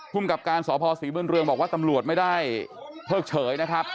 กับการสพศรีบุญเรืองบอกว่าตำรวจไม่ได้เพิกเฉยนะครับ